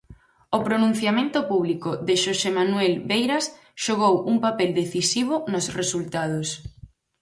O pronunciamento público de Xosé Manuel Beiras xogou un papel decisivo nos resultados.